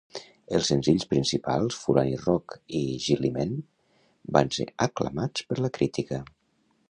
Els senzills principals, "Fulani Rock" i "Gilli Men" van ser aclamats per la crítica.